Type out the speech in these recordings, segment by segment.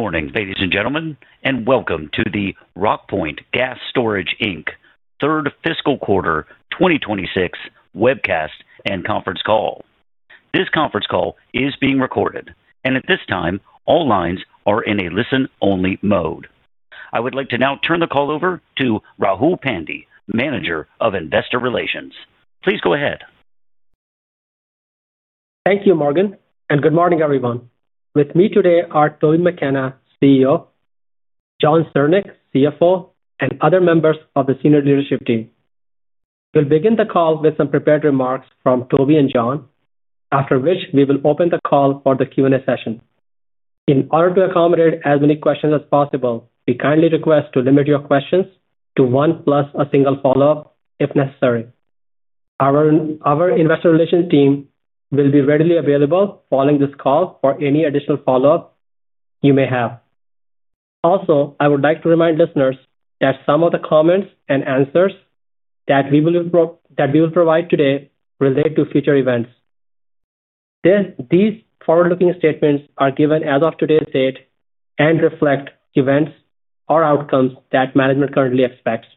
Good morning, ladies and gentlemen, and welcome to the Rockpoint Gas Storage, Inc. third fiscal quarter 2026 webcast and conference call. This conference call is being recorded, and at this time all lines are in a listen-only mode. I would like to now turn the call over to Rahul Pandey, Manager of Investor Relations. Please go ahead. Thank you, Morgan, and good morning, everyone. With me today are Toby McKenna, CEO; Jon Syrnyk, CFO; and other members of the senior leadership team. We'll begin the call with some prepared remarks from Toby and Jon, after which we will open the call for the Q&A session. In order to accommodate as many questions as possible, we kindly request to limit your questions to one plus a single follow-up if necessary. Our investor relations team will be readily available following this call for any additional follow-up you may have. Also, I would like to remind listeners that some of the comments and answers that we will provide today relate to future events. These forward-looking statements are given as of today's date and reflect events or outcomes that management currently expects.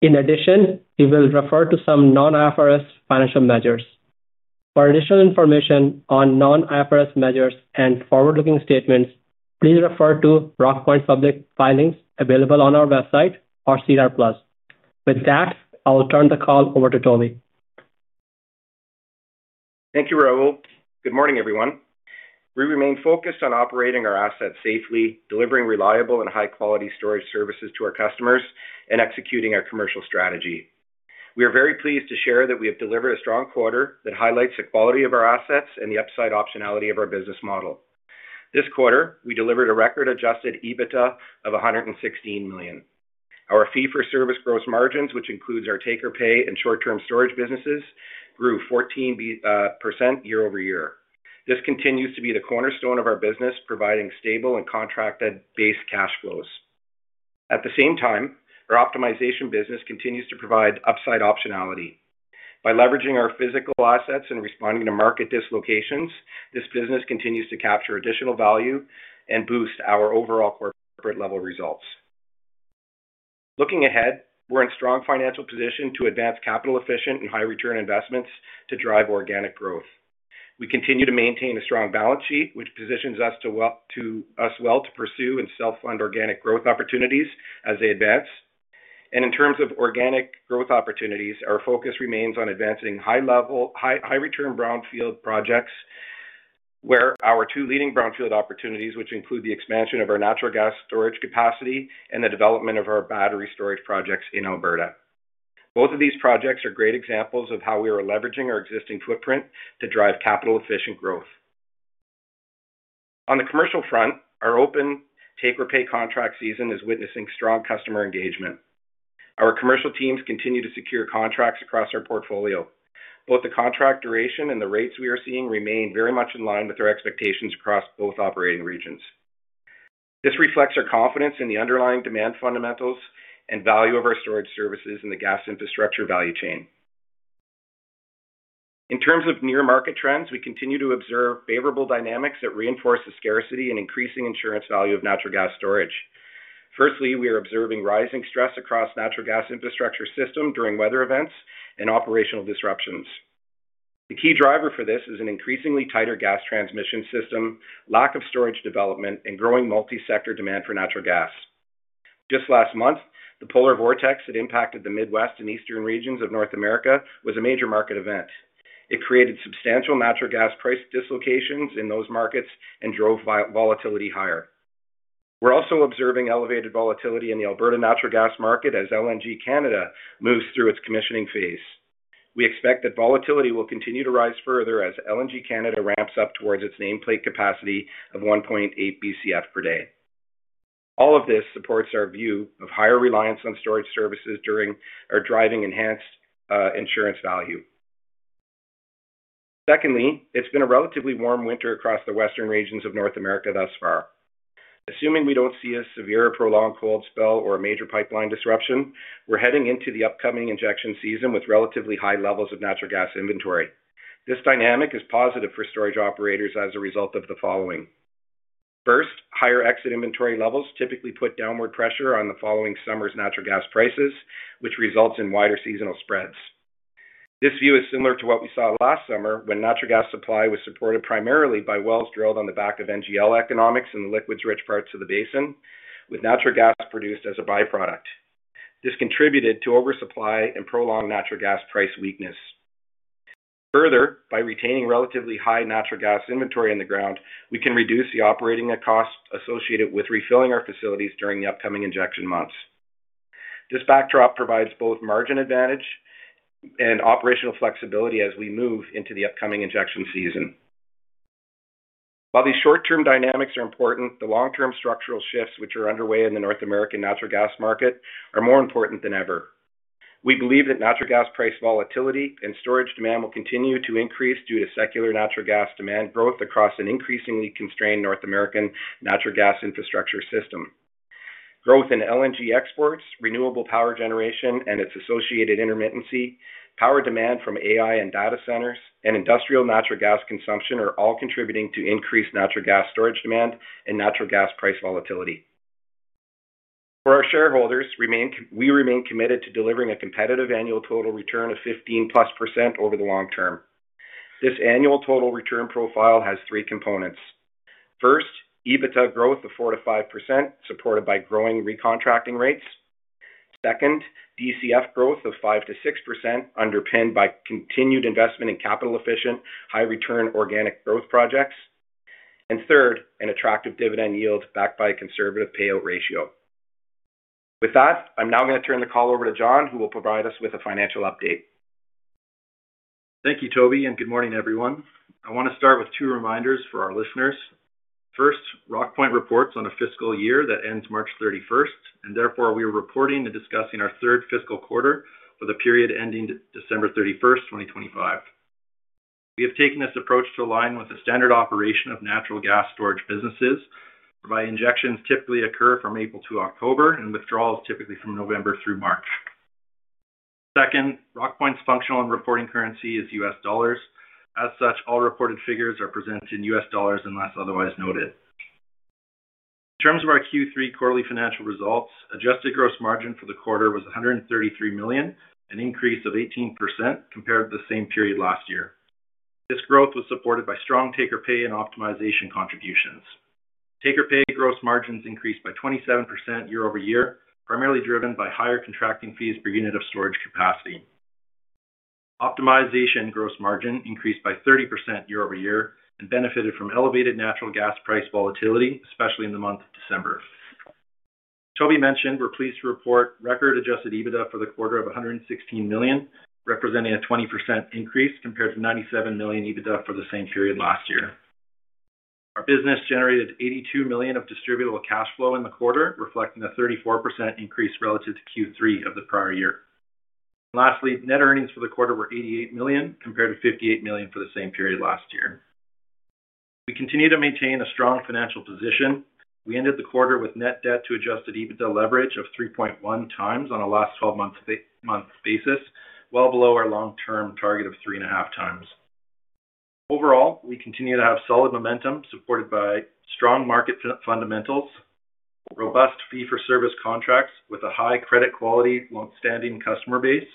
In addition, we will refer to some non-IFRS financial measures. For additional information on non-IFRS measures and forward-looking statements, please refer to Rockpoint's public filings available on our website or SEDAR+. With that, I will turn the call over to Toby. Thank you, Rahul. Good morning, everyone. We remain focused on operating our assets safely, delivering reliable and high-quality storage services to our customers, and executing our commercial strategy. We are very pleased to share that we have delivered a strong quarter that highlights the quality of our assets and the upside optionality of our business model. This quarter, we delivered a record adjusted EBITDA of $116 million. Our fee-for-service gross margins, which includes our take-or-pay and short-term storage businesses, grew 14% year-over-year. This continues to be the cornerstone of our business, providing stable and contract-based cash flows. At the same time, our optimization business continues to provide upside optionality. By leveraging our physical assets and responding to market dislocations, this business continues to capture additional value and boost our overall corporate-level results. Looking ahead, we're in a strong financial position to advance capital-efficient and high-return investments to drive organic growth. We continue to maintain a strong balance sheet, which positions us well to pursue and self-fund organic growth opportunities as they advance. In terms of organic growth opportunities, our focus remains on advancing high-return brownfield projects, where our two leading brownfield opportunities, which include the expansion of our natural gas storage capacity and the development of our battery storage projects in Alberta. Both of these projects are great examples of how we are leveraging our existing footprint to drive capital-efficient growth. On the commercial front, our open take-or-pay contract season is witnessing strong customer engagement. Our commercial teams continue to secure contracts across our portfolio. Both the contract duration and the rates we are seeing remain very much in line with our expectations across both operating regions. This reflects our confidence in the underlying demand fundamentals and value of our storage services in the gas infrastructure value chain. In terms of near-market trends, we continue to observe favorable dynamics that reinforce the scarcity and increasing insurance value of natural gas storage. Firstly, we are observing rising stress across natural gas infrastructure systems during weather events and operational disruptions. The key driver for this is an increasingly tighter gas transmission system, lack of storage development, and growing multi-sector demand for natural gas. Just last month, the polar vortex that impacted the Midwest and Eastern regions of North America was a major market event. It created substantial natural gas price dislocations in those markets and drove volatility higher. We're also observing elevated volatility in the Alberta natural gas market as LNG Canada moves through its commissioning phase. We expect that volatility will continue to rise further as LNG Canada ramps up towards its nameplate capacity of 1.8 Bcf per day. All of this supports our view of higher reliance on storage services during or driving enhanced insurance value. Secondly, it's been a relatively warm winter across the Western regions of North America thus far. Assuming we don't see a severe or prolonged cold spell or a major pipeline disruption, we're heading into the upcoming injection season with relatively high levels of natural gas inventory. This dynamic is positive for storage operators as a result of the following. First, higher exit inventory levels typically put downward pressure on the following summer's natural gas prices, which results in wider seasonal spreads. This view is similar to what we saw last summer when natural gas supply was supported primarily by wells drilled on the back of NGL economics in the liquids-rich parts of the basin, with natural gas produced as a byproduct. This contributed to oversupply and prolonged natural gas price weakness. Further, by retaining relatively high natural gas inventory in the ground, we can reduce the operating costs associated with refilling our facilities during the upcoming injection months. This backdrop provides both margin advantage and operational flexibility as we move into the upcoming injection season. While these short-term dynamics are important, the long-term structural shifts which are underway in the North American natural gas market are more important than ever. We believe that natural gas price volatility and storage demand will continue to increase due to secular natural gas demand growth across an increasingly constrained North American natural gas infrastructure system. Growth in LNG exports, renewable power generation, and its associated intermittency, power demand from AI and data centers, and industrial natural gas consumption are all contributing to increased natural gas storage demand and natural gas price volatility. For our shareholders, we remain committed to delivering a competitive annual total return of 15%+ over the long term. This annual total return profile has three components. First, EBITDA growth of 4% to 5% supported by growing recontracting rates. Second, DCF growth of 5% to 6% underpinned by continued investment in capital-efficient, high-return organic growth projects. And third, an attractive dividend yield backed by a conservative payout ratio. With that, I'm now going to turn the call over to Jon, who will provide us with a financial update. Thank you, Toby, and good morning, everyone. I want to start with two reminders for our listeners. First, Rockpoint reports on a fiscal year that ends March 31st, and therefore we are reporting and discussing our third fiscal quarter for the period ending December 31st, 2025. We have taken this approach to align with the standard operation of natural gas storage businesses, where injections typically occur from April to October and withdrawals typically from November through March. Second, Rockpoint's functional and reporting currency is U.S. dollars. As such, all reported figures are present in U.S. dollars unless otherwise noted. In terms of our Q3 quarterly financial results, adjusted gross margin for the quarter was $133 million, an increase of 18% compared to the same period last year. This growth was supported by strong take-or-pay and optimization contributions. Take-or-pay gross margins increased by 27% year-over-year, primarily driven by higher contracting fees per unit of storage capacity. Optimization gross margin increased by 30% year-over-year and benefited from elevated natural gas price volatility, especially in the month of December. Toby mentioned we're pleased to report record Adjusted EBITDA for the quarter of $116 million, representing a 20% increase compared to $97 million EBITDA for the same period last year. Our business generated $82 million of Distributable Cash Flow in the quarter, reflecting a 34% increase relative to Q3 of the prior year. And lastly, net earnings for the quarter were $88 million compared to $58 million for the same period last year. We continue to maintain a strong financial position. We ended the quarter with net debt-to-adjusted EBITDA leverage of 3.1 times on a last 12-month basis, well below our long-term target of 3.5 times. Overall, we continue to have solid momentum supported by strong market fundamentals, robust fee-for-service contracts with a high credit quality, longstanding customer base,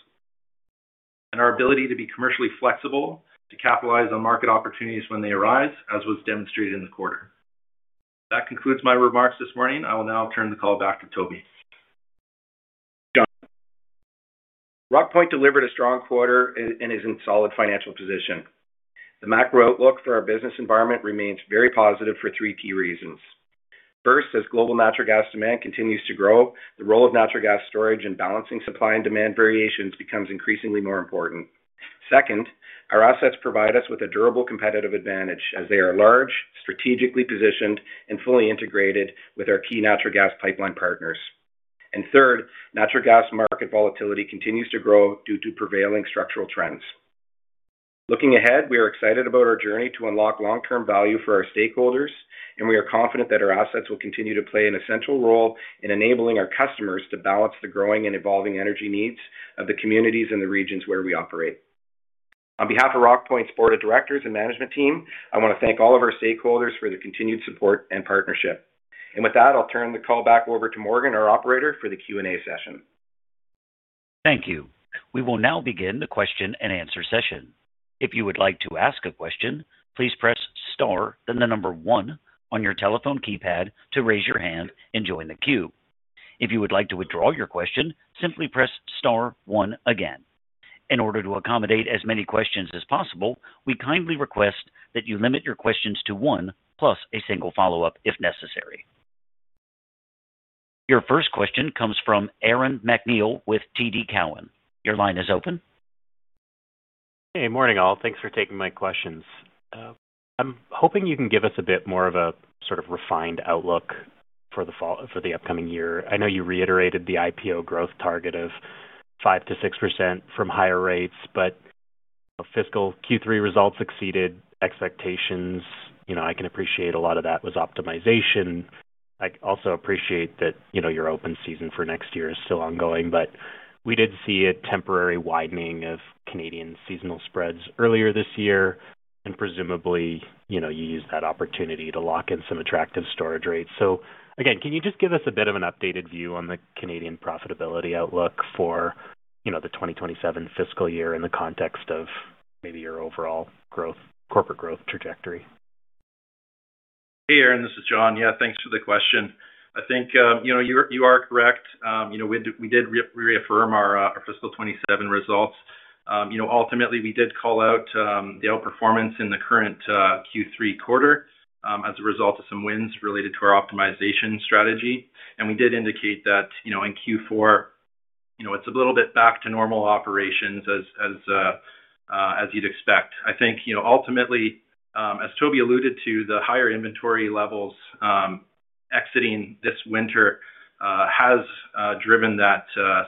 and our ability to be commercially flexible to capitalize on market opportunities when they arise, as was demonstrated in the quarter. That concludes my remarks this morning. I will now turn the call back to Toby. Jon. Rockpoint delivered a strong quarter and is in a solid financial position. The macro outlook for our business environment remains very positive for three key reasons. First, as global natural gas demand continues to grow, the role of natural gas storage in balancing supply and demand variations becomes increasingly more important. Second, our assets provide us with a durable competitive advantage as they are large, strategically positioned, and fully integrated with our key natural gas pipeline partners. And third, natural gas market volatility continues to grow due to prevailing structural trends. Looking ahead, we are excited about our journey to unlock long-term value for our stakeholders, and we are confident that our assets will continue to play an essential role in enabling our customers to balance the growing and evolving energy needs of the communities and the regions where we operate. On behalf of Rockpoint's board of directors and management team, I want to thank all of our stakeholders for their continued support and partnership. With that, I'll turn the call back over to Morgan, our operator, for the Q&A session. Thank you. We will now begin the question and answer session. If you would like to ask a question, please press star then the number 1 on your telephone keypad to raise your hand and join the queue. If you would like to withdraw your question, simply press star 1 again. In order to accommodate as many questions as possible, we kindly request that you limit your questions to one plus a single follow-up if necessary. Your first question comes from Aaron MacNeil with TD Cowen. Your line is open. Hey, morning, all. Thanks for taking my questions. I'm hoping you can give us a bit more of a sort of refined outlook for the upcoming year. I know you reiterated the IPO growth target of 5%-6% from higher rates, but fiscal Q3 results exceeded expectations. I can appreciate a lot of that was optimization. I also appreciate that your open season for next year is still ongoing, but we did see a temporary widening of Canadian seasonal spreads earlier this year, and presumably, you used that opportunity to lock in some attractive storage rates. So again, can you just give us a bit of an updated view on the Canadian profitability outlook for the 2027 fiscal year in the context of maybe your overall corporate growth trajectory? Hey, Aaron. This is Jon. Yeah, thanks for the question. I think you are correct. We did reaffirm our fiscal 2027 results. Ultimately, we did call out the outperformance in the current Q3 quarter as a result of some wins related to our optimization strategy. And we did indicate that in Q4, it's a little bit back to normal operations as you'd expect. I think ultimately, as Toby alluded to, the higher inventory levels exiting this winter has driven that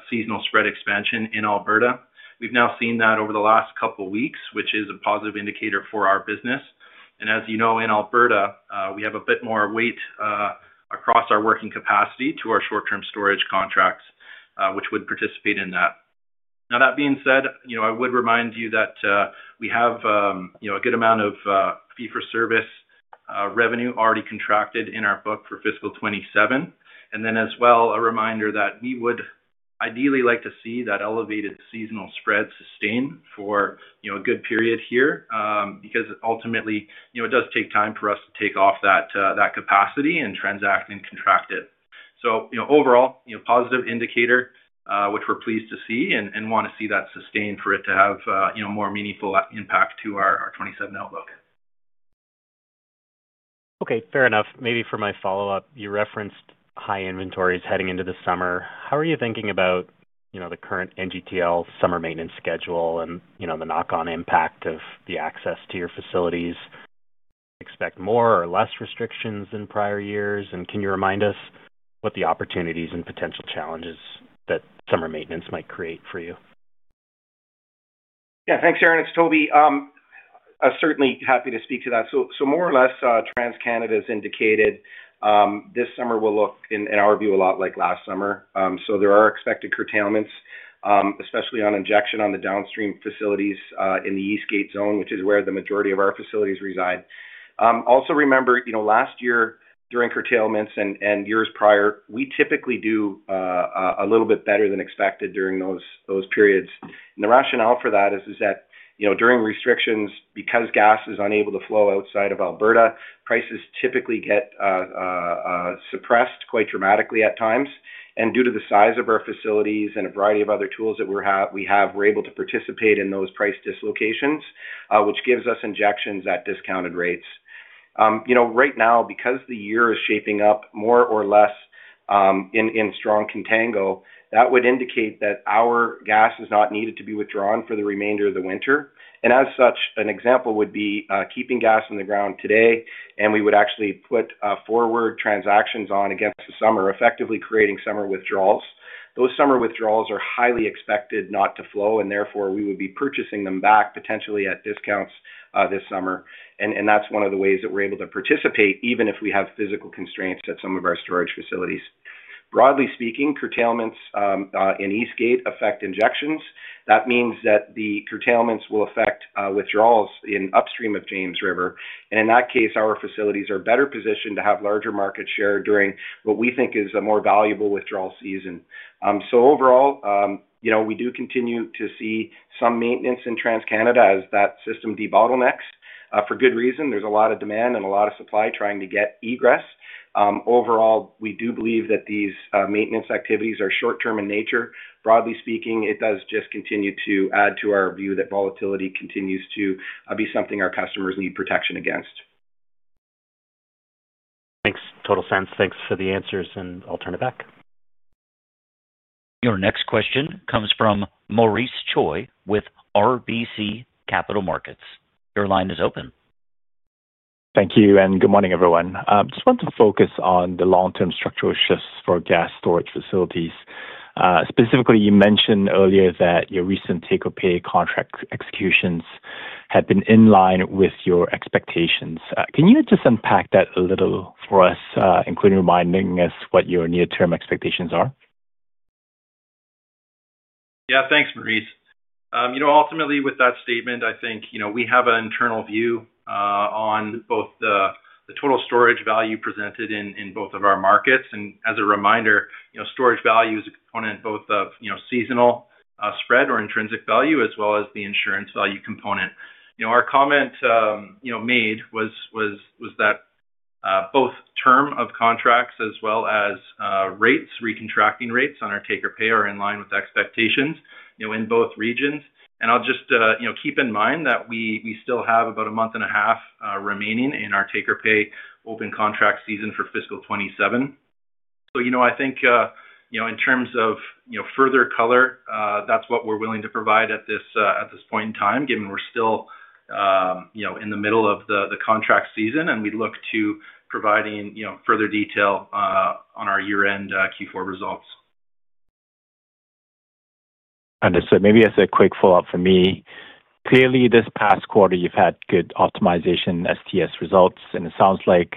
seasonal spread expansion in Alberta. We've now seen that over the last couple of weeks, which is a positive indicator for our business. And as you know, in Alberta, we have a bit more weight across our working capacity to our short-term storage contracts, which would participate in that. Now, that being said, I would remind you that we have a good amount of fee-for-service revenue already contracted in our book for fiscal 2027. And then as well, a reminder that we would ideally like to see that elevated seasonal spread sustain for a good period here because ultimately, it does take time for us to take off that capacity and transact and contract it. So overall, positive indicator, which we're pleased to see and want to see that sustain for it to have more meaningful impact to our 2027 outlook. Okay, fair enough. Maybe for my follow-up, you referenced high inventories heading into the summer. How are you thinking about the current NGTL summer maintenance schedule and the knock-on impact of the access to your facilities? Expect more or less restrictions than prior years? And can you remind us what the opportunities and potential challenges that summer maintenance might create for you? Yeah, thanks, Aaron. It's Toby. Certainly happy to speak to that. So more or less, TransCanada has indicated this summer will look, in our view, a lot like last summer. So there are expected curtailments, especially on injection on the downstream facilities in the East Gate Zone, which is where the majority of our facilities reside. Also, remember, last year during curtailments and years prior, we typically do a little bit better than expected during those periods. And the rationale for that is that during restrictions, because gas is unable to flow outside of Alberta, prices typically get suppressed quite dramatically at times. And due to the size of our facilities and a variety of other tools that we have, we're able to participate in those price dislocations, which gives us injections at discounted rates. Right now, because the year is shaping up more or less in strong contango, that would indicate that our gas is not needed to be withdrawn for the remainder of the winter. And as such, an example would be keeping gas in the ground today, and we would actually put forward transactions on against the summer, effectively creating summer withdrawals. Those summer withdrawals are highly expected not to flow, and therefore, we would be purchasing them back potentially at discounts this summer. And that's one of the ways that we're able to participate, even if we have physical constraints at some of our storage facilities. Broadly speaking, curtailments in East Gate affect injections. That means that the curtailments will affect withdrawals in upstream of James River. And in that case, our facilities are better positioned to have larger market share during what we think is a more valuable withdrawal season. So overall, we do continue to see some maintenance in TransCanada as that system debottlenecks for good reason. There's a lot of demand and a lot of supply trying to get egress. Overall, we do believe that these maintenance activities are short-term in nature. Broadly speaking, it does just continue to add to our view that volatility continues to be something our customers need protection against. Thanks. Total sense. Thanks for the answers, and I'll turn it back. Your next question comes from Maurice Choy with RBC Capital Markets. Your line is open. Thank you, and good morning, everyone. Just want to focus on the long-term structural shifts for gas storage facilities. Specifically, you mentioned earlier that your recent take-or-pay contract executions had been in line with your expectations. Can you just unpack that a little for us, including reminding us what your near-term expectations are? Yeah, thanks, Maurice. Ultimately, with that statement, I think we have an internal view on both the total storage value presented in both of our markets. And as a reminder, storage value is a component both of seasonal spread or intrinsic value, as well as the insurance value component. Our comment made was that both term of contracts as well as rates, recontracting rates on our take-or-pay, are in line with expectations in both regions. And I'll just keep in mind that we still have about a month and a half remaining in our take-or-pay open contract season for fiscal 2027. So I think in terms of further color, that's what we're willing to provide at this point in time, given we're still in the middle of the contract season, and we'd look to providing further detail on our year-end Q4 results. Understood. Maybe as a quick follow-up from me, clearly, this past quarter, you've had good optimization STS results, and it sounds like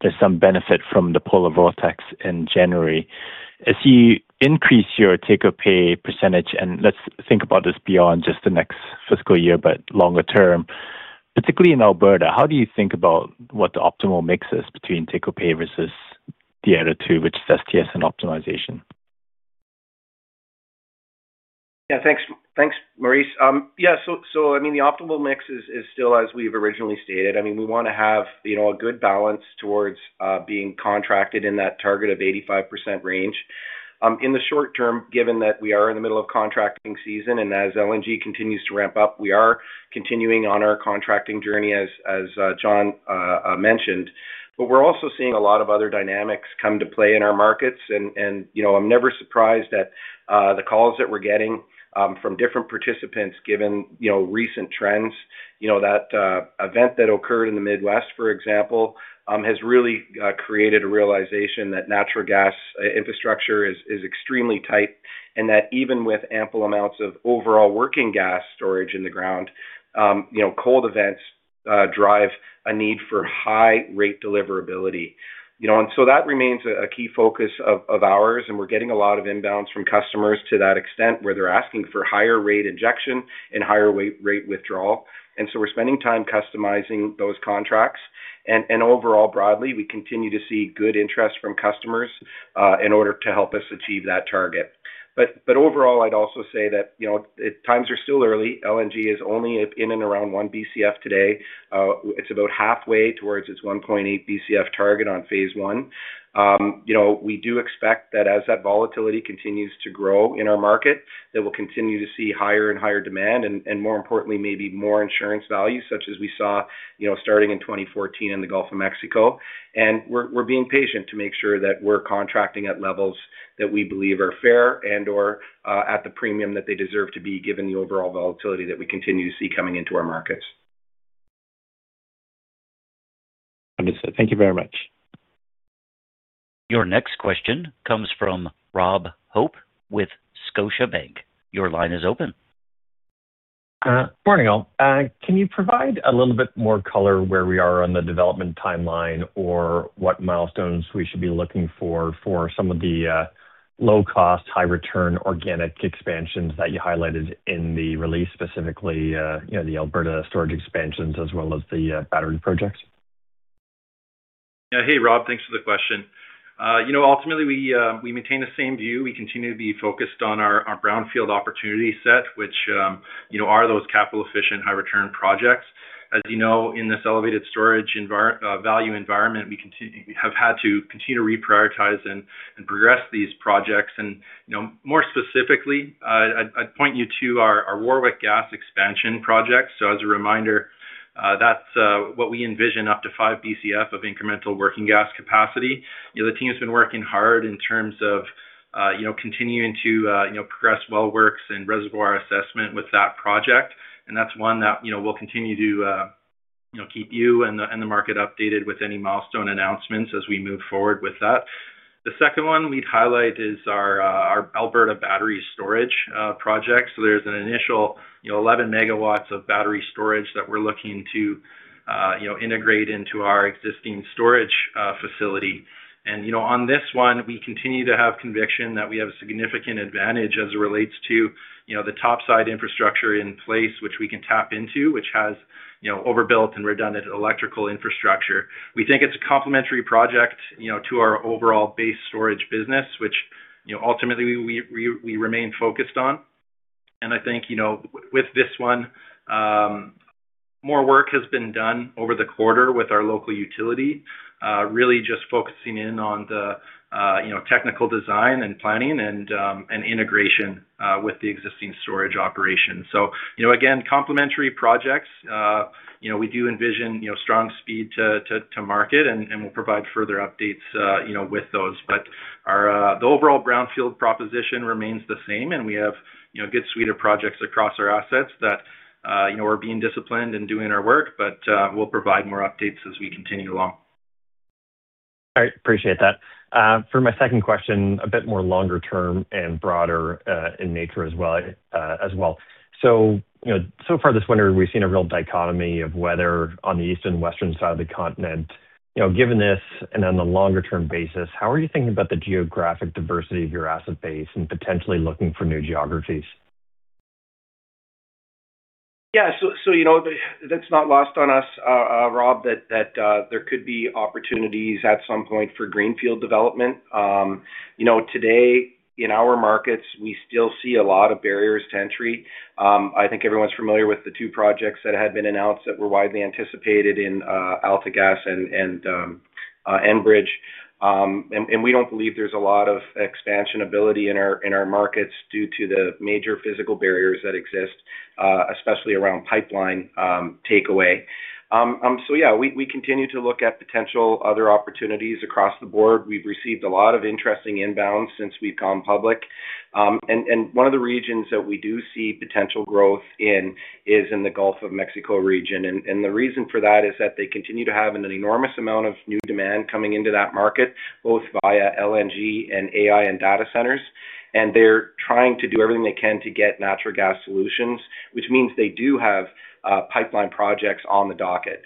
there's some benefit from the polar vortex in January. As you increase your take-or-pay percentage - and let's think about this beyond just the next fiscal year but longer-term, particularly in Alberta - how do you think about what the optimal mix is between take-or-pay versus the other two, which is STS and optimization? Yeah, thanks, Maurice. Yeah, so I mean, the optimal mix is still, as we've originally stated. I mean, we want to have a good balance towards being contracted in that target of 85% range. In the short term, given that we are in the middle of contracting season and as LNG continues to ramp up, we are continuing on our contracting journey, as Jon mentioned. But we're also seeing a lot of other dynamics come to play in our markets. And I'm never surprised at the calls that we're getting from different participants, given recent trends. That event that occurred in the Midwest, for example, has really created a realization that natural gas infrastructure is extremely tight and that even with ample amounts of overall working gas storage in the ground, cold events drive a need for high-rate deliverability. That remains a key focus of ours, and we're getting a lot of inbounds from customers to that extent where they're asking for higher-rate injection and higher-rate withdrawal. We're spending time customizing those contracts. Overall, broadly, we continue to see good interest from customers in order to help us achieve that target. Overall, I'd also say that times are still early. LNG is only in and around 1 Bcf today. It's about halfway towards its 1.8 Bcf target on phase one. We do expect that as that volatility continues to grow in our market, that we'll continue to see higher and higher demand and, more importantly, maybe more insurance value, such as we saw starting in 2014 in the Gulf of Mexico. We're being patient to make sure that we're contracting at levels that we believe are fair and/or at the premium that they deserve to be, given the overall volatility that we continue to see coming into our markets. Understood. Thank you very much. Your next question comes from Rob Hope with Scotiabank. Your line is open. Morning, all. Can you provide a little bit more color where we are on the development timeline or what milestones we should be looking for for some of the low-cost, high-return organic expansions that you highlighted in the release, specifically the Alberta storage expansions as well as the battery projects? Yeah, hey, Rob. Thanks for the question. Ultimately, we maintain the same view. We continue to be focused on our brownfield opportunity set, which are those capital-efficient, high-return projects. As you know, in this elevated storage value environment, we have had to continue to reprioritize and progress these projects. And more specifically, I'd point you to our Warwick gas expansion project. So as a reminder, that's what we envision: up to 5 Bcf of incremental working gas capacity. The team's been working hard in terms of continuing to progress well works and reservoir assessment with that project. And that's one that we'll continue to keep you and the market updated with any milestone announcements as we move forward with that. The second one we'd highlight is our Alberta battery storage project. So there's an initial 11 MW of battery storage that we're looking to integrate into our existing storage facility. And on this one, we continue to have conviction that we have a significant advantage as it relates to the topside infrastructure in place, which we can tap into, which has overbuilt and redundant electrical infrastructure. We think it's a complementary project to our overall base storage business, which ultimately, we remain focused on. And I think with this one, more work has been done over the quarter with our local utility, really just focusing in on the technical design and planning and integration with the existing storage operation. So again, complementary projects. We do envision strong speed to market, and we'll provide further updates with those. But the overall brownfield proposition remains the same, and we have a good suite of projects across our assets that we're being disciplined in doing our work, but we'll provide more updates as we continue along. All right. Appreciate that. For my second question, a bit more longer-term and broader in nature as well. So far, this winter, we've seen a real dichotomy of weather on the east and western side of the continent. Given this and on the longer-term basis, how are you thinking about the geographic diversity of your asset base and potentially looking for new geographies? Yeah, so that's not lost on us, Rob, that there could be opportunities at some point for greenfield development. Today, in our markets, we still see a lot of barriers to entry. I think everyone's familiar with the two projects that had been announced that were widely anticipated in AltaGas and Enbridge. And we don't believe there's a lot of expandability in our markets due to the major physical barriers that exist, especially around pipeline takeaway. So yeah, we continue to look at potential other opportunities across the board. We've received a lot of interesting inbounds since we've gone public. And one of the regions that we do see potential growth in is in the Gulf of Mexico region. And the reason for that is that they continue to have an enormous amount of new demand coming into that market, both via LNG and AI and data centers. And they're trying to do everything they can to get natural gas solutions, which means they do have pipeline projects on the docket.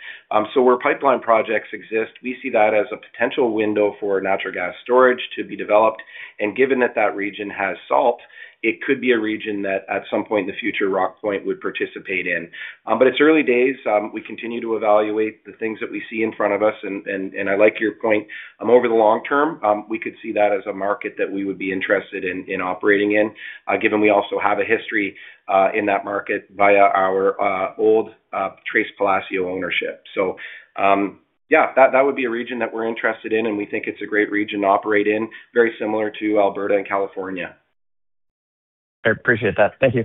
So where pipeline projects exist, we see that as a potential window for natural gas storage to be developed. And given that that region has salt, it could be a region that at some point in the future, Rockpoint would participate in. But it's early days. We continue to evaluate the things that we see in front of us. And I like your point. Over the long term, we could see that as a market that we would be interested in operating in, given we also have a history in that market via our old Tres Palacios ownership. So yeah, that would be a region that we're interested in, and we think it's a great region to operate in, very similar to Alberta and California. All right. Appreciate that. Thank you.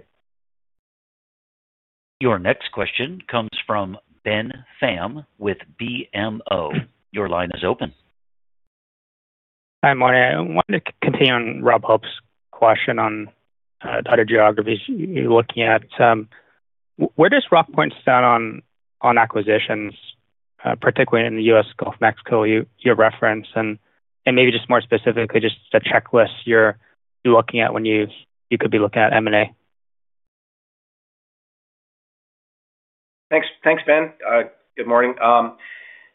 Your next question comes from Ben Pham with BMO. Your line is open. Hi, morning. I wanted to continue on Rob Hope's question on other geographies you're looking at. Where does Rockpoint stand on acquisitions, particularly in the U.S. Gulf of Mexico you referenced? And maybe just more specifically, just the checklist you're looking at when you could be looking at M&A. Thanks, Ben. Good morning.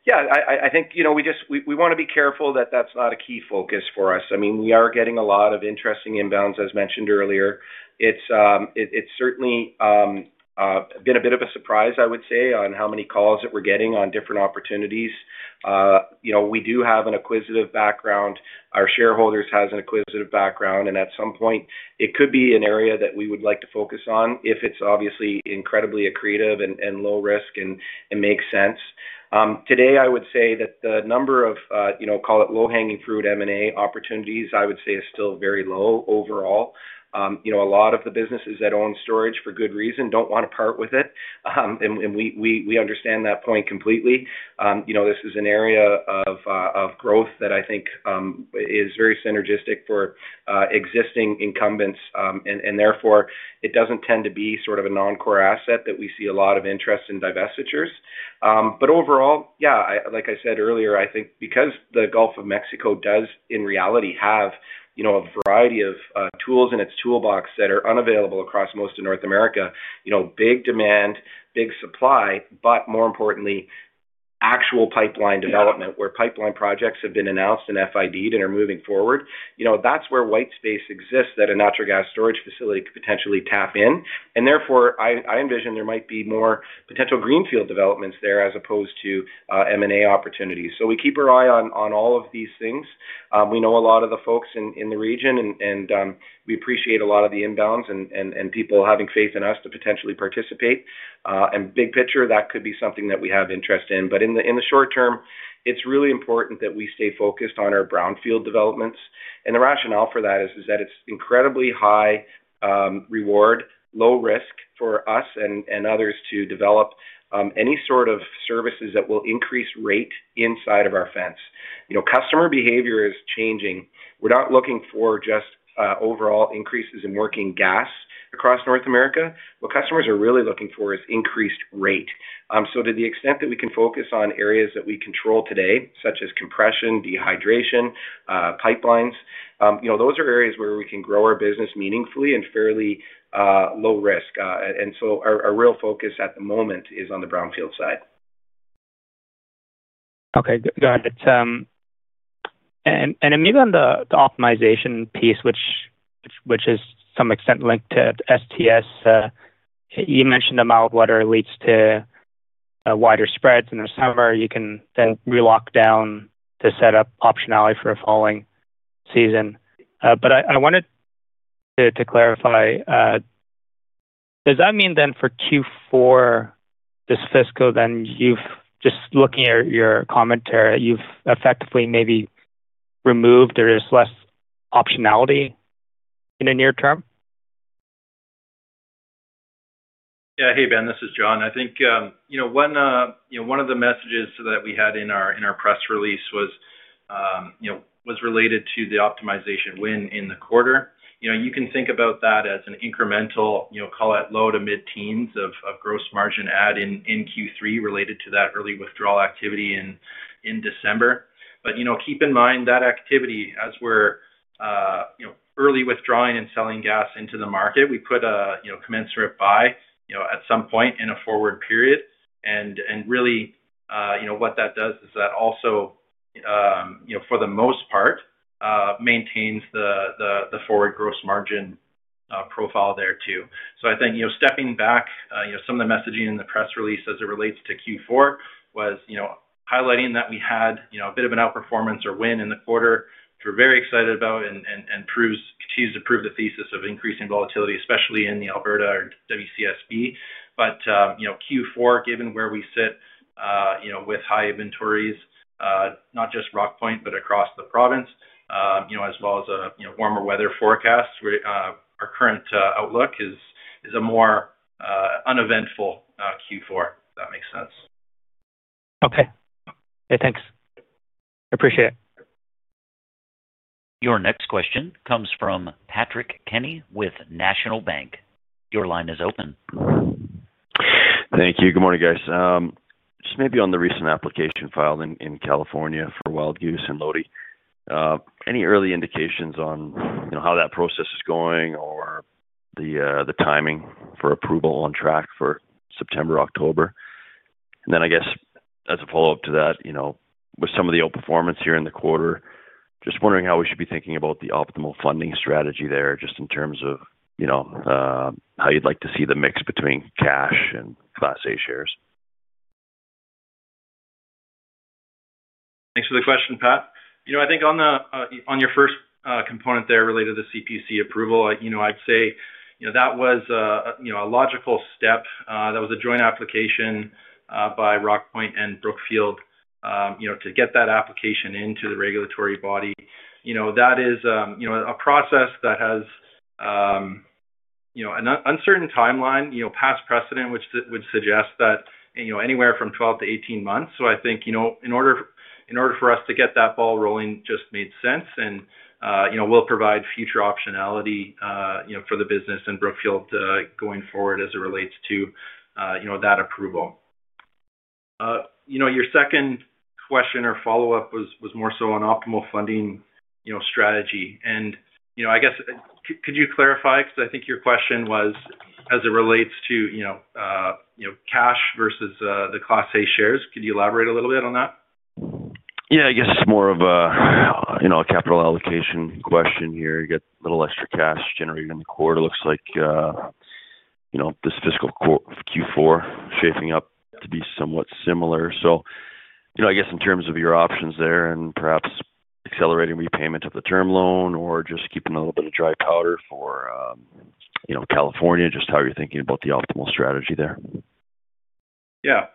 Yeah, I think we want to be careful that that's not a key focus for us. I mean, we are getting a lot of interesting inbounds, as mentioned earlier. It's certainly been a bit of a surprise, I would say, on how many calls that we're getting on different opportunities. We do have an acquisitive background. Our shareholders have an acquisitive background. And at some point, it could be an area that we would like to focus on if it's obviously incredibly accretive and low-risk and makes sense. Today, I would say that the number of, call it low-hanging fruit M&A opportunities, I would say, is still very low overall. A lot of the businesses that own storage, for good reason, don't want to part with it. And we understand that point completely. This is an area of growth that I think is very synergistic for existing incumbents. And therefore, it doesn't tend to be sort of a non-core asset that we see a lot of interest in divestitures. But overall, yeah, like I said earlier, I think because the Gulf of Mexico does, in reality, have a variety of tools in its toolbox that are unavailable across most of North America: big demand, big supply, but more importantly, actual pipeline development, where pipeline projects have been announced and FIDed and are moving forward, that's where white space exists that a natural gas storage facility could potentially tap in. And therefore, I envision there might be more potential greenfield developments there as opposed to M&A opportunities. So we keep our eye on all of these things. We know a lot of the folks in the region, and we appreciate a lot of the inbounds and people having faith in us to potentially participate. And big picture, that could be something that we have interest in. But in the short term, it's really important that we stay focused on our brownfield developments. And the rationale for that is that it's incredibly high reward, low risk for us and others to develop any sort of services that will increase rate inside of our fence. Customer behavior is changing. We're not looking for just overall increases in working gas across North America. What customers are really looking for is increased rate. So to the extent that we can focus on areas that we control today, such as compression, dehydration, pipelines, those are areas where we can grow our business meaningfully and fairly low risk. Our real focus at the moment is on the brownfield side. Okay. Got it. And maybe on the optimization piece, which is to some extent linked to STS, you mentioned a mild weather leads to wider spreads. And in the summer, you can then relock down to set up optionality for a falling season. But I wanted to clarify. Does that mean then for Q4 this fiscal, then just looking at your commentary, you've effectively maybe removed or there's less optionality in the near term? Yeah, hey, Ben. This is Jon. I think one of the messages that we had in our press release was related to the optimization win in the quarter. You can think about that as an incremental, call it low-to-mid-teens of gross margin add in Q3 related to that early withdrawal activity in December. But keep in mind that activity, as we're early withdrawing and selling gas into the market, we put a commensurate buy at some point in a forward period. And really, what that does is that also, for the most part, maintains the forward gross margin profile there too. So, I think stepping back, some of the messaging in the press release as it relates to Q4 was highlighting that we had a bit of an outperformance or win in the quarter, which we're very excited about and continues to prove the thesis of increasing volatility, especially in the Alberta or WCSB. But Q4, given where we sit with high inventories, not just Rockpoint but across the province, as well as warmer weather forecasts, our current outlook is a more uneventful Q4, if that makes sense. Okay. Hey, thanks. Appreciate it. Your next question comes from Patrick Kenny with National Bank Financial. Your line is open. Thank you. Good morning, guys. Just maybe on the recent application filed in California for Wild Goose and Lodi, any early indications on how that process is going or the timing for approval on track for September, October? And then I guess as a follow-up to that, with some of the outperformance here in the quarter, just wondering how we should be thinking about the optimal funding strategy there just in terms of how you'd like to see the mix between cash and Class A shares. Thanks for the question, Pat. I think on your first component there related to the CPUC approval, I'd say that was a logical step. That was a joint application by Rockpoint and Brookfield to get that application into the regulatory body. That is a process that has an uncertain timeline, past precedent, which would suggest that anywhere from 12-18 months. So I think in order for us to get that ball rolling, it just made sense. We'll provide future optionality for the business and Brookfield going forward as it relates to that approval. Your second question or follow-up was more so on optimal funding strategy. I guess, could you clarify? Because I think your question was as it relates to cash versus the Class A shares. Could you elaborate a little bit on that? Yeah, I guess it's more of a capital allocation question here. You get a little extra cash generated in the quarter, looks like, this fiscal Q4, shaping up to be somewhat similar. So I guess in terms of your options there and perhaps accelerating repayment of the term loan or just keeping a little bit of dry powder for California, just how you're thinking about the optimal strategy there? Yeah.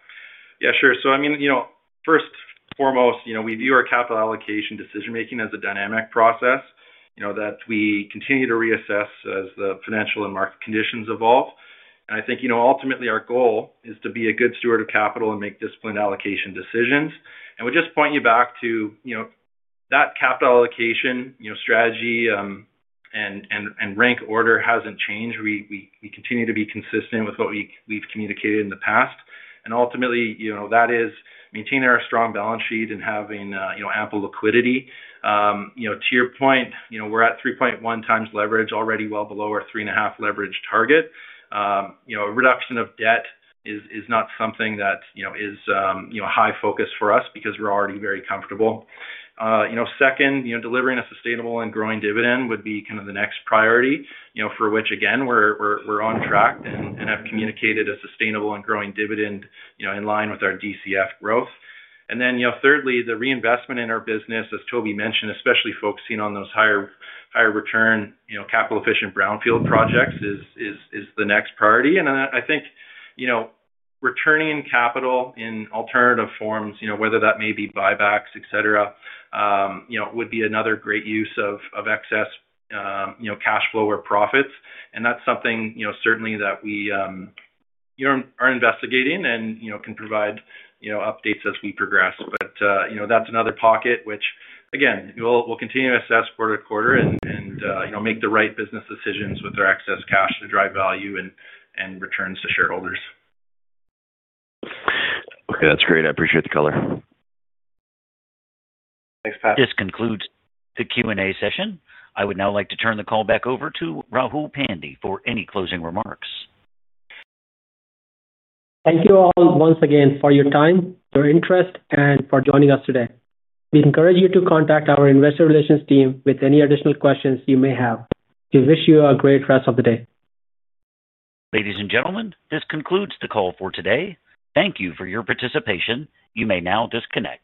Yeah, sure. So I mean, first and foremost, we view our capital allocation decision-making as a dynamic process that we continue to reassess as the financial and market conditions evolve. And I think ultimately, our goal is to be a good steward of capital and make disciplined allocation decisions. And would just point you back to that capital allocation strategy and rank order hasn't changed. We continue to be consistent with what we've communicated in the past. And ultimately, that is maintaining our strong balance sheet and having ample liquidity. To your point, we're at 3.1 times leverage, already well below our 3.5 leverage target. A reduction of debt is not something that is a high focus for us because we're already very comfortable. Second, delivering a sustainable and growing dividend would be kind of the next priority for which, again, we're on track and have communicated a sustainable and growing dividend in line with our DCF growth. And then thirdly, the reinvestment in our business, as Toby mentioned, especially focusing on those higher-return, capital-efficient brownfield projects is the next priority. And then I think returning capital in alternative forms, whether that may be buybacks, etc., would be another great use of excess cash flow or profits. And that's something, certainly, that we are investigating and can provide updates as we progress. But that's another pocket, which, again, we'll continue to assess quarter to quarter and make the right business decisions with our excess cash to drive value and returns to shareholders. Okay. That's great. I appreciate the color. Thanks, Pat. This concludes the Q&A session. I would now like to turn the call back over to Rahul Pandey for any closing remarks. Thank you all once again for your time, your interest, and for joining us today. We encourage you to contact our investor relations team with any additional questions you may have. We wish you a great rest of the day. Ladies and gentlemen, this concludes the call for today. Thank you for your participation. You may now disconnect.